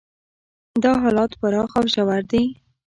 دا حالات پراخ او ژور دي.